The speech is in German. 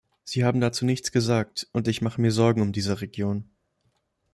Sie haben dazu nichts gesagt, und ich mache mir Sorgen um diese Regionen.